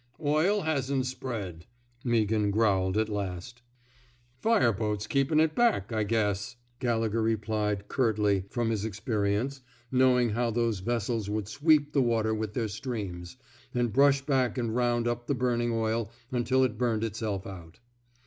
Oil hasn't spread,'' Meaghan growled at last. Fire boats keepin' it back, I guess," Gallegher replied, curtly, from his experi ence — knowing how those vessels would sweep the water with their streams, and brush back and round up the burning oil until it burned itself out.